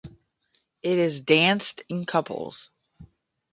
It is danced in couples.